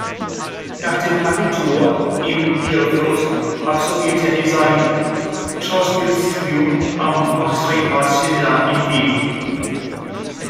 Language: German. Nach dem Abitur in Bielefeld absolvierte er sein Schauspielstudium am Max-Reinhardt-Seminar in Wien.